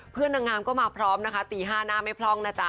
เพื่อนนางงามก็มาพร้อมนะคะตีห้าหน้าไม่พร่องนะจ๊ะ